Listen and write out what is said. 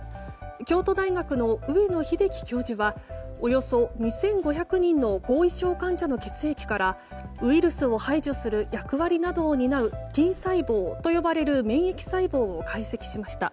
京都大学の上野英樹教授はおよそ２５００人の後遺症患者の血液からウイルスを排除する役割などを担うＴ細胞といわれる免疫細胞を解析しました。